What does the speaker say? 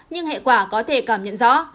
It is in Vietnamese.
nhưng hệ quả có thể cảm nhận rõ